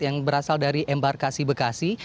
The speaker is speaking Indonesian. yang berasal dari embarkasi bekasi